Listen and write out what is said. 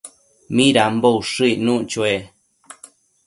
¿Midambo ushëc icnuc chue?